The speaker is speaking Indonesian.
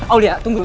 aulia tunggu dulu